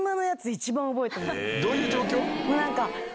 どういう状況？